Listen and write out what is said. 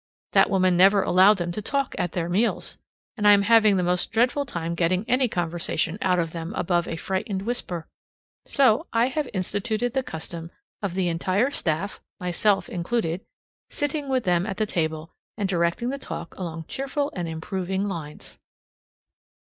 That woman never allowed them to talk at their meals, and I am having the most dreadful time getting any conversation out of them above a frightened whisper. So I have instituted the custom of the entire staff, myself included, sitting with them at the table, and directing the talk along cheerful and improving lines.